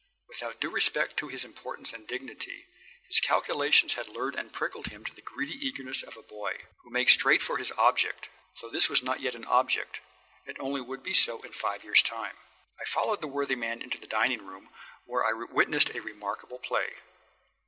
Without due respect to his importance and dignity, his calculations had lured and pricked him to the greedy eagerness of a boy, who makes straight for his object though this was not as yet an object; it only would be so in five years' time. I followed the worthy man into the dining room, where I witnessed a remarkable play.